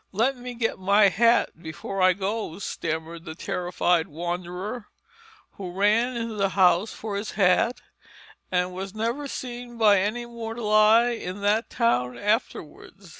"Let me get my hat before I go," stammered the terrified wanderer, who ran into the house for his hat and was never seen by any mortal eye in that town afterwards.